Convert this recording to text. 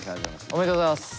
おめでとうございます。